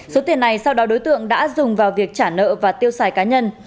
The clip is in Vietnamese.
số tiền này sau đó đối tượng đã dùng vào việc trả nợ và tiêu xài cá nhân